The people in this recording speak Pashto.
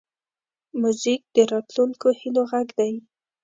موزیک د راتلونکو هیلو غږ دی.